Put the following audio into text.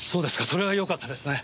それはよかったですね。